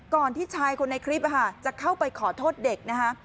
ที่ชายคนในคลิปจะเข้าไปขอโทษเด็กนะคะ